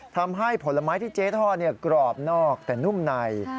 ผลไม้ที่เจ๊ทอดกรอบนอกแต่นุ่มใน